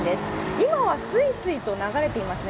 今はスイスイと流れていますね。